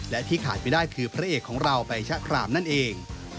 และที่ขาดไม่ได้คือพระเอกของเราใบชะครามนั่นเอง